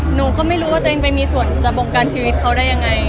หนูก็ไม่รู้ว่าตัวเองไปมีส่วนจะบงการชีวิตเขาได้ยังไง